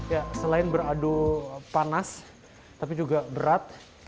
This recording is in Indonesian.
ya selain beradu panas tapi juga berat